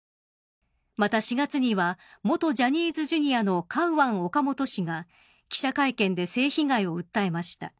また４月には元ジャニーズＪｒ．のカウアン・オカモト氏が記者会見で性被害を訴えました。